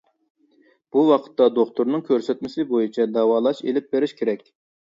بۇ ۋاقىتتا دوختۇرنىڭ كۆرسەتمىسى بويىچە داۋالاش ئېلىپ بېرىش كېرەك.